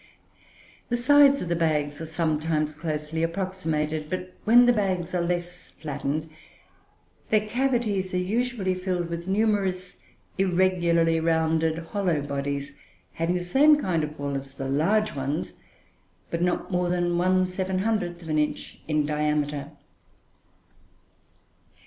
The sides of the bags are sometimes closely approximated; but, when the bags are less flattened, their cavities are, usually, filled with numerous, irregularly rounded, hollow bodies, having the same kind of wall as the large ones, but not more than one seven hundredth of an inch in diameter.